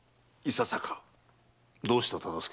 どうした忠相。